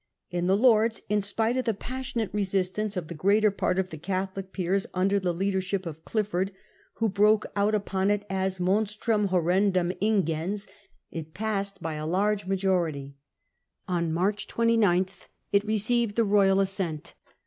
In the Lords, in spite of the passionate resistance of the greater part of the Catholic peers under the leadership of Clifford, who broke out upon it as * monstrum, horrendum, ingens, * it The Cabal passed by a large majority. On March 29 it shattered. received the royal assent.